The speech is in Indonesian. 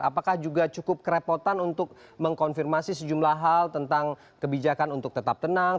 apakah juga cukup kerepotan untuk mengkonfirmasi sejumlah hal tentang kebijakan untuk tetap tenang